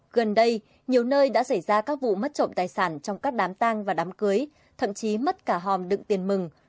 gần đây nhiều nơi đã xảy ra các vụ mất trộm tài sản trong các đám tang và đám cưới thậm chí mất cả hòm đựng tiền mừng